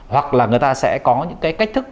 hoặc là người ta sẽ có những cách thức